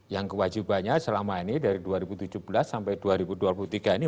yang kewajibannya selama ini dari dua ribu tujuh belas sampai dua ribu dua puluh tiga ini